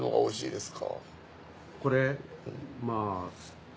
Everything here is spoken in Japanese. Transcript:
これまぁ。